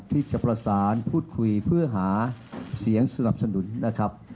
ที่จะประสานพูดคุยเพื่อหาเสียงสนับสนุนนะครับ